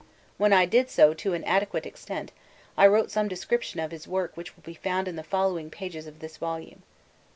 When I did so to an adequate extent I wrote some description of his work which will be found in the following pages of this volume.